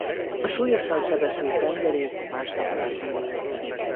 A súlyosan sebesült tengerész másnap elhunyt.